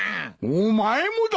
お前もだ！